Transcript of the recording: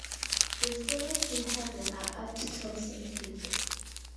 The spirits in heaven are apt to resent it.